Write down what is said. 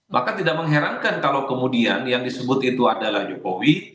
maka tidak mengherankan kalau kemudian yang disebut itu adalah jokowi